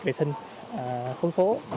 vệ sinh khuôn phố